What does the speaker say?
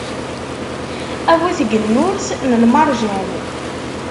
A bu tgennurt n lmerjan.